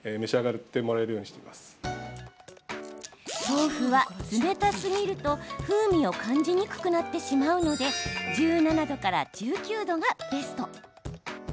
豆腐は冷たすぎると、風味を感じにくくなってしまうので１７度から１９度がベスト。